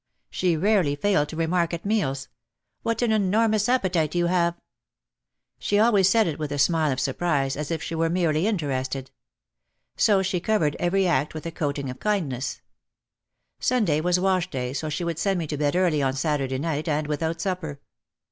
She rarely failed to remark at meals: "What an enormous appetite you have !" She always said it with a smile of surprise as if she were merely interested. So she covered every OUT OF THE SHADOW 177 act with a coating of kindness. Sunday was wash day so she would send me to bed early on Saturday night and without supper.